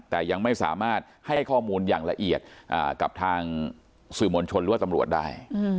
แต่ยังไม่สามารถให้ข้อมูลอย่างละเอียดกับทางสื่อมวลชนหรือว่าตำรวจได้